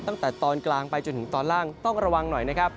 ตั้งแต่ตอนกลางไปจนถึงตอนล่างต้องระวังหน่อยนะครับ